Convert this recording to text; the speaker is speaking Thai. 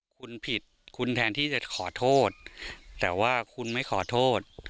คุณผิดคุณแทนที่จะขอโทษแต่ว่าคุณไม่ขอโทษ